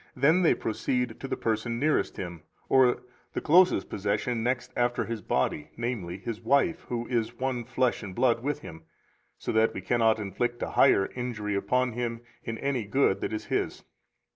Then they proceed to the person nearest him, or the closest possession next after his body, namely, his wife, who is one flesh and blood with him, so that we cannot inflict a higher injury upon him in any good that is his.